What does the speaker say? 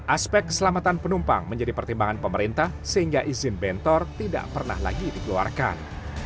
aspek keselamatan penumpang menjadi pertimbangan pemerintah sehingga izin bentor tidak pernah lagi dikeluarkan